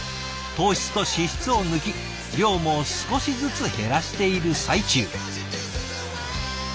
糖質と脂質を抜き量も少しずつ減らしている最中。